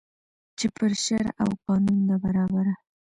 چي پر شرع او قانون ده برابره